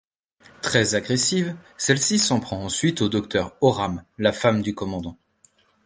Très agressive, celle-ci s'en prend ensuite au docteur Oram, la femme du commandant.